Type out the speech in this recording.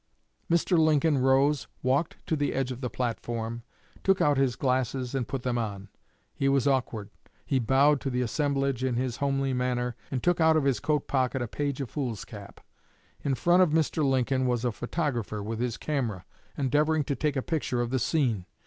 Mr. Lincoln rose, walked to the edge of the platform, took out his glasses, and put them on. He was awkward. He bowed to the assemblage in his homely manner, and took out of his coat pocket a page of foolscap. In front of Mr. Lincoln was a photographer with his camera, endeavoring to take a picture of the scene.